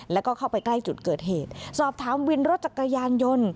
แล้วก็เข้าไปใกล้จุดเกิดเหตุสอบถามวินรถจักรยานยนต์